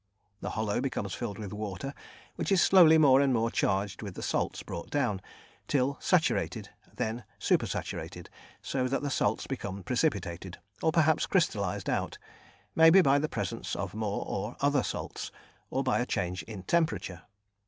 The hollow becomes filled with water, which is slowly more and more charged with the salts brought down, till saturated; then super saturated, so that the salts become precipitated, or perhaps crystallised out, maybe by the presence of more or other salts, or by a change in temperature.